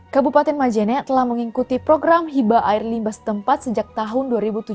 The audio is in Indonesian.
kabupaten majene telah mengikuti program hiba air limba setempat sejak tahun dua ribu tujuh belas